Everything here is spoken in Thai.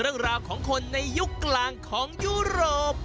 เรื่องราวของคนในยุคกลางของยุโรป